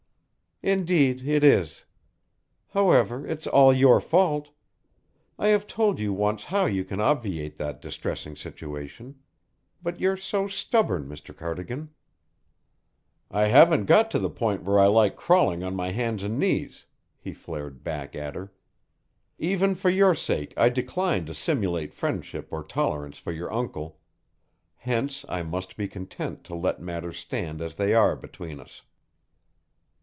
"Indeed, it is. However, it's all your fault. I have told you once how you can obviate that distressing situation. But you're so stubborn, Mr. Cardigan." "I haven't got to the point where I like crawling on my hands and knees," he flared back at her. "Even for your sake, I decline to simulate friendship or tolerance for your uncle; hence I must be content to let matters stand as they are between us."